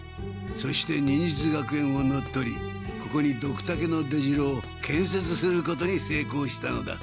そして忍術学園を乗っ取りここにドクタケの出城をけんせつすることにせいこうしたのだ。